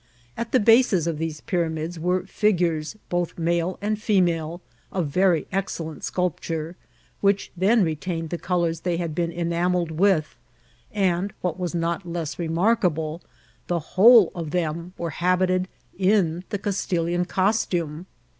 At the bases of these pyramids were fig ures, both male and female, of very excellent sculpture, which then retained the colours they had been enam elled with, and, what was not less remarkable, the wlude of them were habited in ^ CouUUan coiiume.